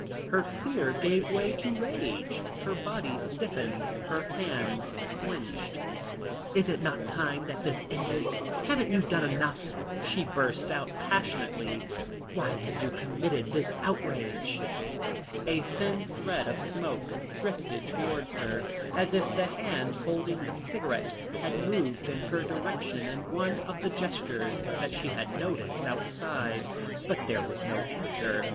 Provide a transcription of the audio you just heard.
Her fear gave way to rage, her body stiffened, her hands clenched. "Is it not time that this ended? Haven't you done enough?" she burst out passionately. "Why have you committed this outrage?" A thin thread of smoke drifted towards her, as if the hand holding the cigarette had moved in her direction in one of the gestures that she had noticed outside, but there was no answer.